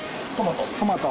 トマト。